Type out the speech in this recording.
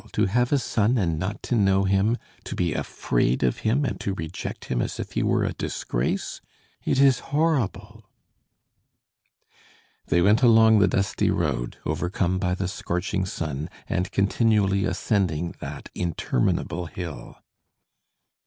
To have a son and not to know him; to be afraid of him and to reject him as if he were a disgrace! It is horrible." They went along the dusty road, overcome by the scorching sun, and continually ascending that interminable hill.